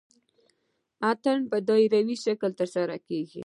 اتن په دایروي شکل ترسره کیږي.